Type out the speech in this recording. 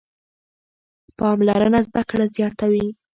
پاملرنه زده کړه زیاتوي.